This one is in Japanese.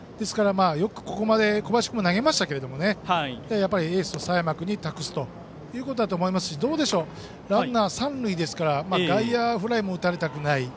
よくここまで小林君も投げましたけどやっぱりエースの佐山君に託すということだと思いますしランナー、三塁ですから外野フライも打たれたくない。